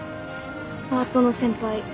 パートの先輩。